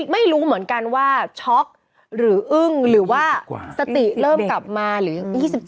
ไม่รู้เหมือนกันว่าช็อกหรืออึ้งหรือว่าสติเริ่มกลับมาหรือ๒๗